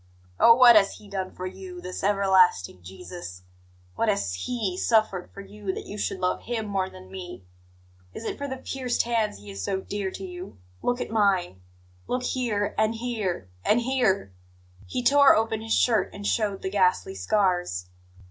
Oh, what has He done for you, this everlasting Jesus, what has He suffered for you, that you should love Him more than me? Is it for the pierced hands He is so dear to you? Look at mine! Look here, and here, and here " He tore open his shirt and showed the ghastly scars.